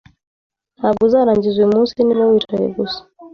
Ntabwo uzarangiza uyumunsi niba wicaye gusa.